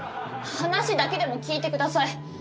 話だけでも聞いてください。